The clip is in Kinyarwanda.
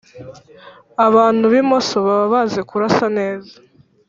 abantu bimoso baba bazi kurasa neza